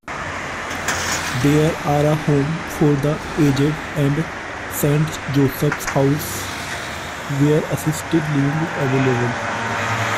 There are a home for the aged and "St.-Josefs-Haus", where assisted living is available.